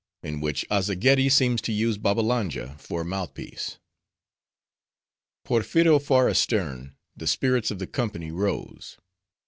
In Which Azzageddi Seems To Use Babbalanja For A Mouth Piece Porpheero far astern, the spirits of the company rose.